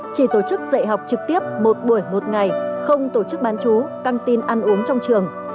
chỉ tổ chức dạy học trực tiếp một buổi một ngày không tổ chức bán chú căng tin ăn uống trong trường